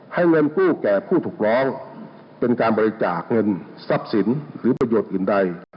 เงินกู้แก่ผู้ถูกร้องเป็นการบริจาคเงินทรัพย์สินหรือประโยชน์อื่นใด